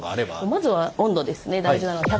まずは温度ですね大事なの。